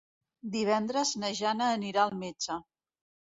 Divendres na Jana anirà al metge.